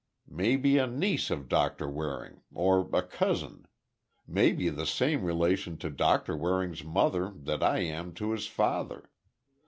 "Maybe a niece of Doctor Waring—or a cousin. Maybe the same relation to Doctor Waring's mother that I am to his father.